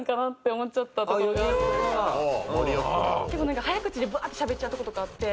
結構なんか早口でバーッとしゃべっちゃうとことかあって。